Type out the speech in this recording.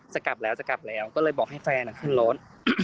จะกลับแล้วก็เลยบอกให้แฟนขึ้นรถ